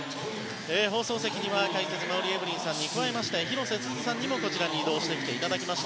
放送席には解説の馬瓜エブリンさんに加えまして広瀬すずさんにも、こちらに移動してきていただきました。